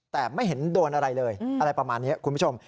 แต่ไม่เห็นโดนอะไรเลยอะไรประมาณนี้คุณผู้ชม